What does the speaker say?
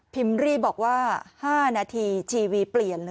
รี่บอกว่า๕นาทีทีวีเปลี่ยนเลย